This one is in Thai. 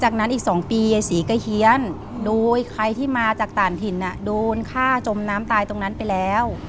ก็เฮียนโดยใครที่มาจากต่างถิ่นน่ะโดนฆ่าจมน้ำตายตรงนั้นไปแล้ว